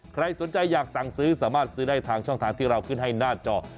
ใครสนใจอยากสั่งซื้อสามารถซื้อได้ทางช่องทางที่เราขึ้นให้หน้าจอ